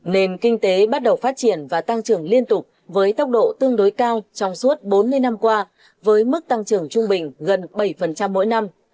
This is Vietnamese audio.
nền kinh tế bắt đầu phát triển và tăng trưởng liên tục với tốc độ tương đối cao trong suốt bốn mươi năm qua với mức tăng trưởng trung bình gần bảy mỗi năm